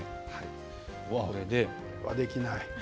これはできない。